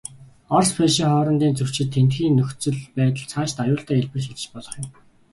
Орос, Польшийн хоорондын зөрчил, тэндхийн нөхцөл байдал, цаашид аюултай хэлбэрт шилжиж болох юм.